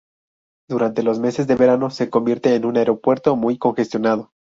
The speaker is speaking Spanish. Durante los meses de verano se convierte en un aeropuerto muy congestionado.